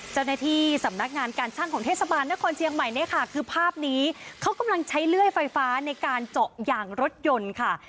เจ้าหน้าที่สำนักงานการช่างของเทศบาลนครเชียงใหม่เนี่ยค่ะคือภาพนี้เขากำลังใช้เลื่อยไฟฟ้าในการเจาะยางรถยนต์ค่ะ